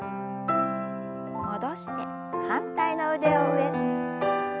戻して反対の腕を上。